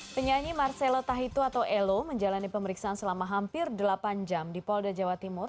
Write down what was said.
penyanyi marcelo tahitu atau elo menjalani pemeriksaan selama hampir delapan jam di polda jawa timur